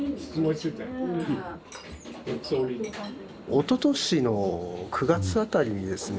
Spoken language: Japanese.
おととしの９月あたりにですね